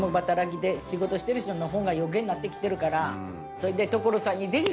それで。